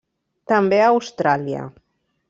També a Austràlia.